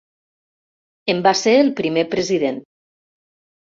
En va ser el primer president.